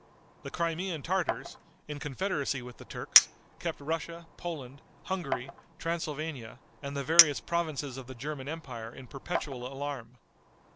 The Crimean Tartars, in confederacy with the Turks, kept Russia, Poland, Hungary, Transylvania, and the various provinces of the German empire in perpetual alarm.